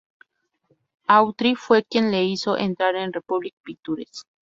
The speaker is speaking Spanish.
Autry fue quien le hizo entrar en Republic Pictures.